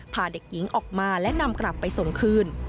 พาเด็กหญิงออกมาและนำกลับไปส่งคืน